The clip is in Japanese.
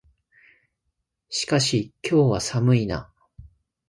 しかし、今日は寒いな。